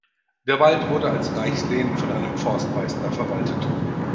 Der Wald wurde als Reichslehen von einem Forstmeister verwaltet.